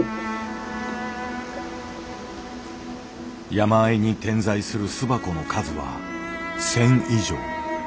山あいに点在する巣箱の数は１，０００以上。